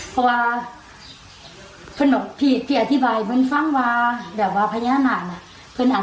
เพราะว่าเพื่อนที่อธิบายมันฟังว่าบัตรวาสพญนาจ